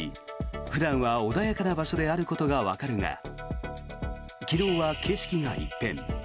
普段は穏やかな場所であることがわかるが昨日は景色が一変。